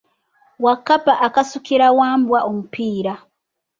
Wakkapa akasukira Wambwa omupiira.